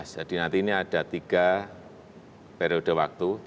jadi nanti ini ada tiga periode waktu